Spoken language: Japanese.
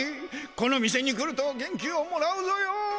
この店に来ると元気をもらうぞよ。